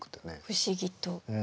不思議と。